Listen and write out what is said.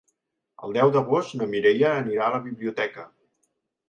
El deu d'agost na Mireia anirà a la biblioteca.